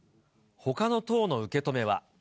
ほかの党の受け止めは。